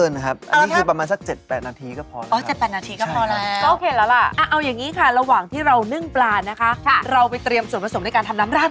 รอนที่สุดรอนที่สุดเลยครับไฟแรงที่สุดครับ